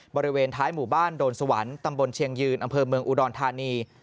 บริเวณท้ายหมู่บ้านโดนสวรรค์ตำบลเชียงยืนอำเภอเมืองอุดรธานี